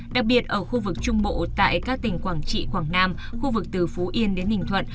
đặc biệt ở khu vực trung bộ tại các tỉnh quảng trị quảng nam khu vực từ phú yên đến ninh thuận